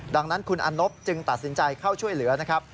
ดังนั้นคุณอนบจึงตัดสินใจเข้าช่วยเหลือนะครับ